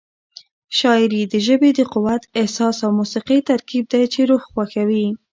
شاعري د ژبې د قوت، احساس او موسيقۍ ترکیب دی چې روح خوښوي.